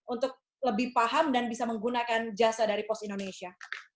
untuk lebih paham dan bisa menggunakan jasa dari pos indonesia